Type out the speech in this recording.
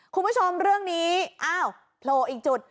คุณผู้ชมเรื่องนี้โลอีกจุด